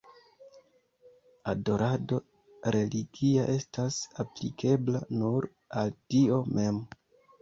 Adorado religia estas aplikebla nur al Dio mem.